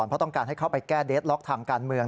เพราะต้องการให้เข้าไปแก้เดสล็อกทางการเมือง